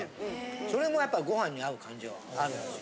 それもやっぱりご飯に合う感じはあるんですよ。